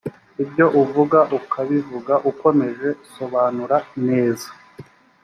ibyo uvuga ukabivuga ukomeje sobanura neza